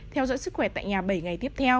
theo dõi sức khỏe tại nhà bảy ngày tiếp theo